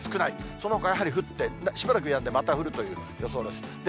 そのほかやはり降って、しばらくやんで、また降るという予想です。